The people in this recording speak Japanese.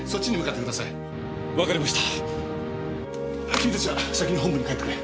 君たちは先に本部に帰ってくれ。